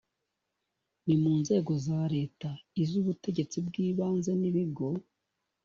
ni mu nzego za leta iz ubutegetsi bw ibanze n ibigo